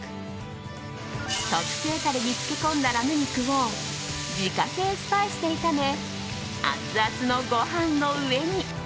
特製タレに漬け込んだラム肉を自家製スパイスで炒めアツアツのご飯の上に。